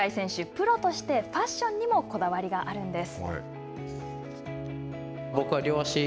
プロとしてファッションにもこだわりがあるんです。